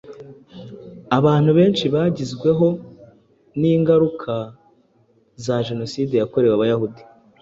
Abantu benshi bagezweho n’ingaruka za jenoside yakorewe Abayahudi